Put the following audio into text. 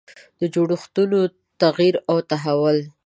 د جوړښتونو تغییر او تحول.